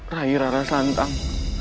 rai rara santang